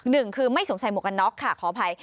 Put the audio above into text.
หนึ่งคือไม่สวมใส่หมวกกันน็อกค่ะขออภัย